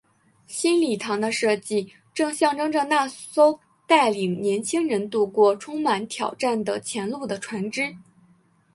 新礼堂的设计正象征着那艘带领年青人渡过充满挑战的前路的船只。